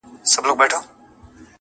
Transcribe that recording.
ځيني خلک ستاينه کوي،